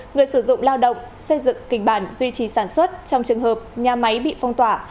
người sử dụng lao động xây dựng kịch bản duy trì sản xuất trong trường hợp nhà máy bị phong tỏa